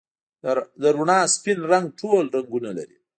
د رڼا سپین رنګ ټول رنګونه لري.